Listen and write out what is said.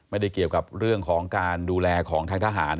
ไม่ได้เกี่ยวกับเรื่องของการดูแลของทางทหาร